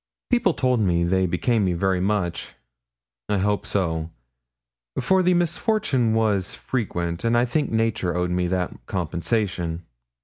People told me they became me very much; I hope so, for the misfortune was frequent; and I think nature owed me that compensation.